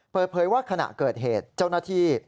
เปิดเผยว่าขณะเกิดเหตุเจ้าหน้าที่